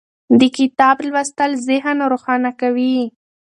د کتاب لوستل ذهن روښانه کوي.